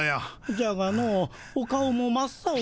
じゃがのお顔も真っ青で。